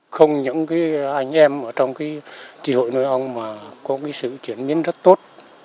không những anh em trong trị hội nuôi ong mà có sự chuyển biến rất tốt